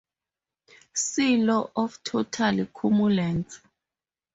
See law of total cumulance.